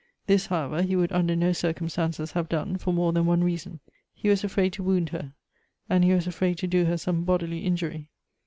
This, however, he would under no circumstances have done, for more than one reason. He was afraid to wound her, and he was afraid to do her some bodily injury.